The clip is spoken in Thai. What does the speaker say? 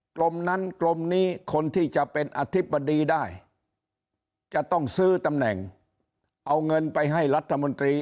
กรมนั้นกรมนี้คนที่จะเป็นอธิบดีได้จะต้องซื้อตำแหน่งเอาเงินไปให้รัฐมนตรี